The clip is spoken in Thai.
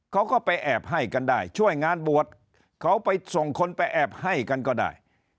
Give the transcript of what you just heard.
เขาก็ไปแอบให้กันได้ช่วยงานบวชเขาไปส่งคนไปแอบให้กันก็ได้